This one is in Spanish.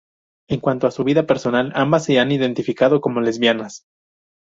En cuanto a su vida personal, ambas se han identificado como lesbianas.